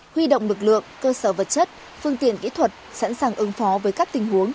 huy động lực lượng cơ sở vật chất phương tiện kỹ thuật sẵn sàng ứng phó với các tình huống